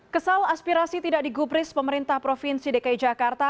kesal aspirasi tidak digubris pemerintah provinsi dki jakarta